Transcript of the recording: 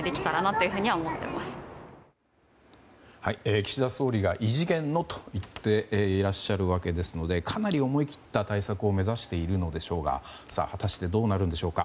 岸田総理が異次元のと言っていらっしゃるということでかなり思い切った対策を目指しているのでしょうが果たしてどうなるんでしょうか。